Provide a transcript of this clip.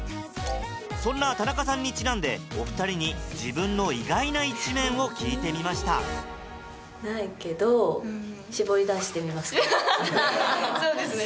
そんな田中さんにちなんでお２人に自分の意外な一面を聞いてみましたそうですね